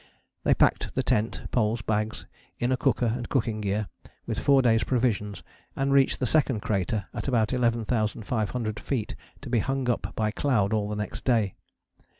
They packed the tent, poles, bags, inner cooker and cooking gear, with four days' provisions, and reached the second crater at about 11,500 feet, to be hung up by cloud all the next day.